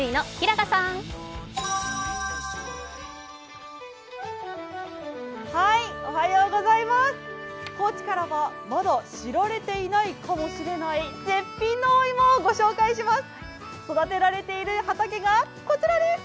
高知からもまだ知られていないかもしれない絶品のお芋をご紹介します。